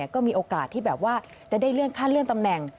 ก็มีโอกาสที่แบบว่าจะได้เลื่อนขั้นเลื่อนตำแหน่ง